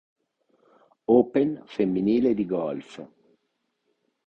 Open femminile di golf.